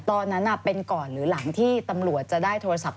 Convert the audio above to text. ตอนนั้นเป็นก่อนหรือหลังที่ตำรวจจะได้โทรศัพท์